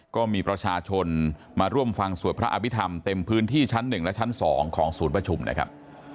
ก็มีประชาชนมาร่วมฟังสวดพระอภิษฐรรมเต็มพื้นที่ชั้น๑และชั้น๒ของศูนย์ประชุมนะครับ